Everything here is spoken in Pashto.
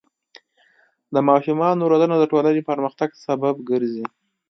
د ماشومانو روزنه د ټولنې پرمختګ سبب ګرځي.